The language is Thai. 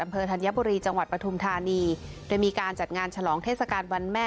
อำเภอธัญบุรีจังหวัดปฐุมธานีโดยมีการจัดงานฉลองเทศกาลวันแม่